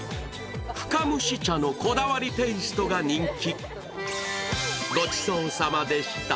深蒸茶のこだわりテイストが人気。